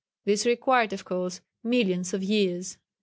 This required, of course, millions of years."